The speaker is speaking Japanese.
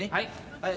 はい。